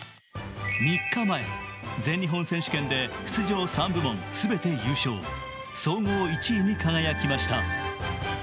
３日前、全日本選手権で出場３部門、全て優勝総合１位に輝きました。